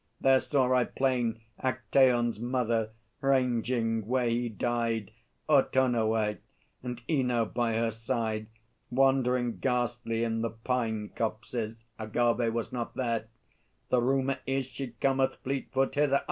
There saw I plain Actaeon's mother, ranging where he died, Autonoë; and Ino by her side, Wandering ghastly in the pine copses. Agâvê was not there. The rumour is She cometh fleet foot hither.